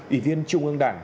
ủy viên trung ương đảng